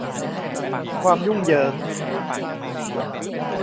ความยุ่งเหยิง